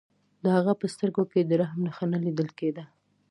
د هغه په سترګو کې د رحم نښه نه لیدل کېده